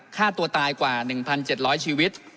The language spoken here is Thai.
ฆ่าตัวตายกว่า๑๗๐๐ชีวิต